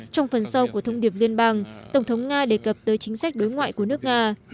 trong phần sau của thông điệp liên bang tổng thống nga đề cập tới chính sách đối ngoại của nước nga